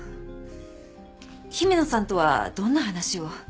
姫野さんとはどんな話を？